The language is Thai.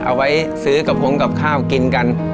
เอาไว้ซื้อกระพงกับข้าวกินกัน